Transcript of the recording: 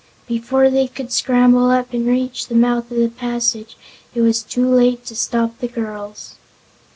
Before they could scramble up and reach the mouth of the passage it was too late to stop the two girls.